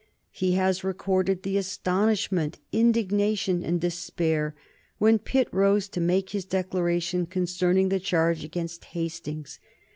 He has recorded the astonishment, indignation, and despair when Pitt rose to make his declaration concerning the charge against Hastings.